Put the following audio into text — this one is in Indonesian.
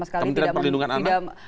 kementerian perlindungan anak